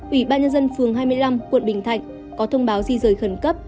ủy ban nhân dân phường hai mươi năm quận bình thạnh có thông báo di rời khẩn cấp